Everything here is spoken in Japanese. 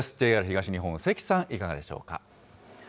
ＪＲ東日本、関さん、いかがでしょうか。